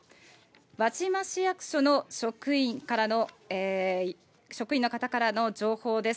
輪島市役所の職員の方からの情報です。